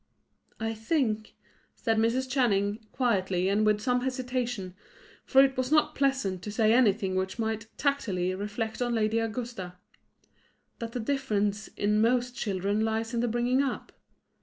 "I think," said Mrs. Channing, quietly, and with some hesitation for it was not pleasant to say anything which might tacitly reflect on the Lady Augusta "that the difference in most children lies in the bringing up.